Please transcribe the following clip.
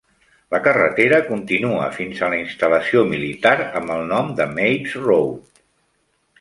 La carretera continua fins a la instal·lació militar amb el nom de Mapes Road.